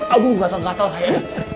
aduh gatel gatel saya